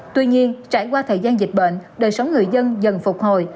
tuy nhiên trải qua thời gian dịch bệnh đời sống người dân dần phục hồi